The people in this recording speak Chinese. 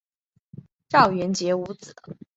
赵元杰无子。